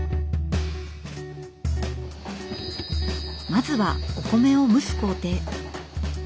まずはお米を蒸す工程。